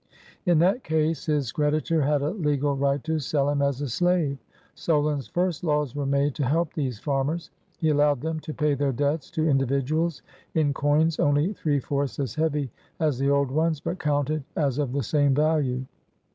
In that case, his creditor had a legal right to sell him as a slave. Solon's first laws were made to help these farmers. He allowed them to pay their debts to individuals in coins only three fourths as heavy as the old ones, but counted as of the same value.